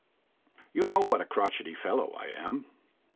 You know what a crotchety fellow I am.